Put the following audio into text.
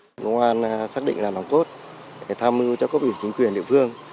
công an xác định là làm cốt để tham mưu cho các vị chính quyền địa phương